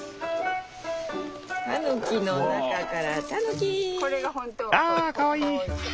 たぬきの中からたぬき！ああかわいい！